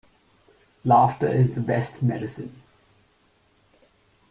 Laughter is the best medicine.